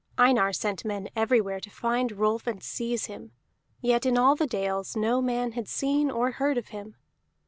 Einar sent men everywhere to find Rolf and seize him; yet in all the dales no man had seen or heard of him.